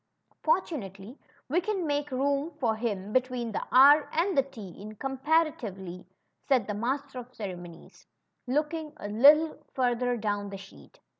^^Fortunately, we can make room for him between the R and the T in com paritively said the Master of Ceremonies^ looking a little further down the sheet.